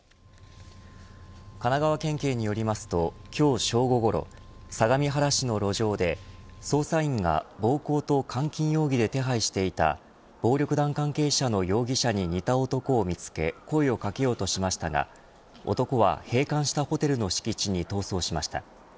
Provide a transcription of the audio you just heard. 神奈川県警によりますと今日正午ごろ相模原市の路上で捜査員が暴行と監禁容疑で手配していた暴力団関係者の容疑者に似た男を見つけ声をかけようとしましたが男は閉館したホテルの敷地に逃走しました。